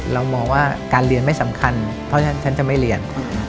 เรามองว่าการเรียนไม่สำคัญเพราะฉะนั้นฉันจะไม่เรียน